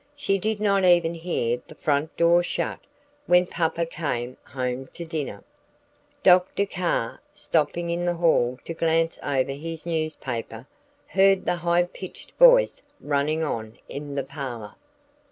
She did not even hear the front door shut, when Papa came home to dinner. Dr. Carr, stopping in the hall to glance over his newspaper, heard the high pitched voice running on in the parlor.